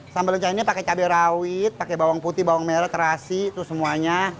sambal lencah ini pakai cabai rawit pakai bawang putih bawang merah terasi itu semuanya